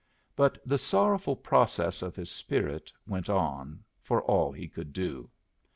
But the sorrowful process of his spirit went on, for all he could do.